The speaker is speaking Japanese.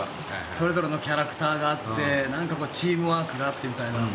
それぞれのキャラクターがあってチームワークがあってみたいな。